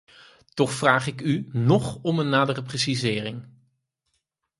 Toch vraag ik u nog om een nadere precisering.